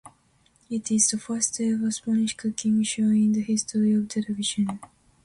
It is the first ever Spanish cooking show in the history of television.